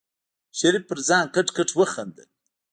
شريف په ځان کټ کټ وخندل.